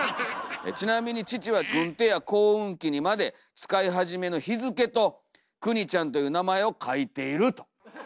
「ちなみに父は軍手や耕うん機にまで使い始めの日付と『クニちゃん』という名前を書いている」と。